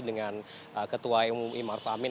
dengan ketua mui ⁇ maruf amin